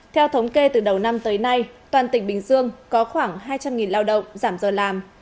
theo thống kê từ đầu năm tới nay toàn tỉnh bình dương có khoảng hai trăm linh lao động giảm giờ làm